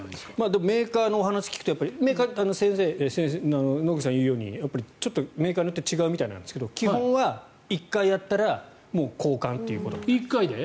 でもメーカーのお話を聞くと野口先生が言うようにちょっとメーカーによって違うみたいなんですけど基本は１回やったらもう交換ということです。